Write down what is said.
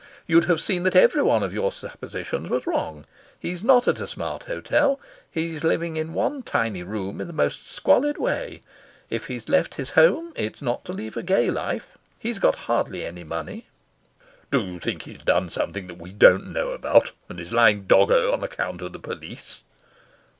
"You'd have seen that every one of your suppositions was wrong. He's not at a smart hotel. He's living in one tiny room in the most squalid way. If he's left his home, it's not to live a gay life. He's got hardly any money." "Do you think he's done something that we don't know about, and is lying doggo on account of the police?"